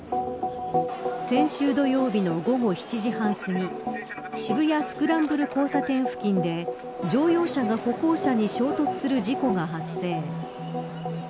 先週土曜日の午後７時半すぎ渋谷スクランブル交差点付近で乗用車が歩行者に衝突する事故が発生。